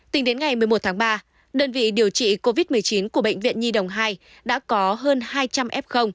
tính đến ngày một mươi một tháng ba đơn vị điều trị covid một mươi chín của bệnh viện nhi đồng hai đã có hơn hai trăm linh f